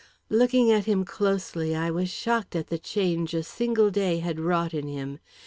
Looking at him closely, I was shocked at the change a single day had wrought in him.